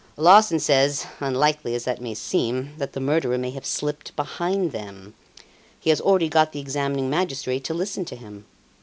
Larsan says, unlikely as that may seem, that the murderer may have slipped behind them. He has already got the examining magistrate to listen to him.